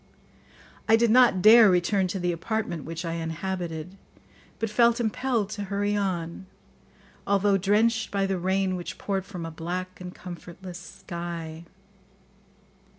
I did not dare return to the apartment which I inhabited, but felt impelled to hurry on, although drenched by the rain which poured from a black and comfortless sky.